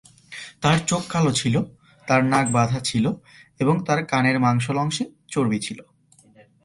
তার চোখ কালো ছিল, তার নাক বাঁধা ছিল, এবং তার কানের মাংসল অংশে চর্বি ছিল।